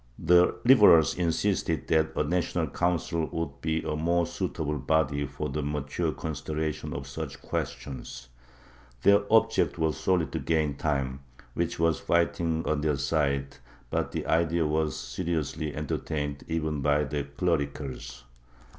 The Liberals insisted that a National Council would be a more suitable body for the mature consideration of such questions; their object was solely to gain time, which w^as fighting on their side, but the idea was seriously entertained, even by the clericals.